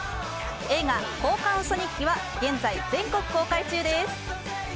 映画、交換ウソ日記は現在、全国公開中です。